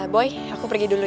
boy aku pergi dulu